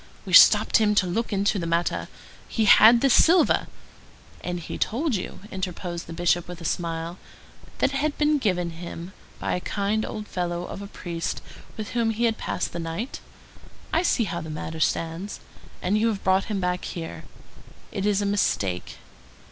We stopped him to look into the matter. He had this silver—" "And he told you," interposed the Bishop with a smile, "that it had been given to him by a kind old fellow of a priest with whom he had passed the night? I see how the matter stands. And you have brought him back here? It is a mistake."